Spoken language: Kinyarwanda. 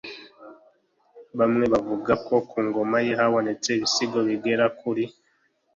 bamwe bavuga ko ku ngoma ye habonetse ibisigo bigera kuri